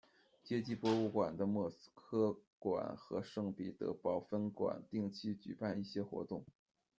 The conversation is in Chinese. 街机博物馆的莫斯科馆和圣彼得堡分馆定期举办一些活动。